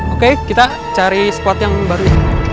oke kita cari spot yang baru